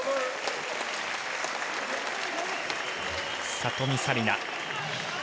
里見紗李奈。